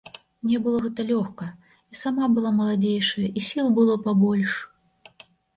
Мне было гэта лёгка, і сама была маладзейшая, і сіл было пабольш.